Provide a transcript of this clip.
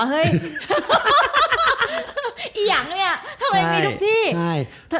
ไอ้หยังเนี่ยทำไมมีทุกที่